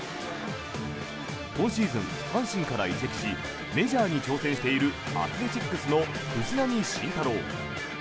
今シーズン、阪神から移籍しメジャーに挑戦しているアスレチックスの藤浪晋太郎。